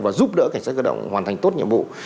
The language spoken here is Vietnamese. và giúp đỡ cảnh sát cơ động hoàn thành tốt nhiệm vụ